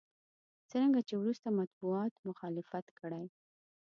څرنګه چې وروسته مطبوعاتو مخالفت کړی.